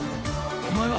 お前は！